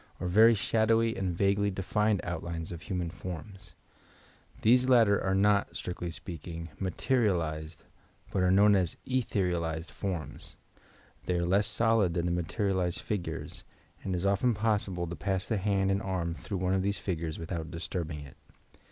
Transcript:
or very shadowy and vaguely defined outlines of human foftns. These latter are not, striotly ape akin g, ma terialized but are known as " etherialized " forms. They are less solid than the materialized figures, and it is often possible to pass the hand and arm through one of these figures without disturbing it.